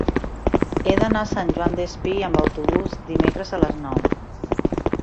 He d'anar a Sant Joan Despí amb autobús dimecres a les nou.